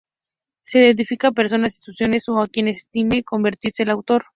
Se dedica a personas, instituciones o a quien estime conveniente el autor.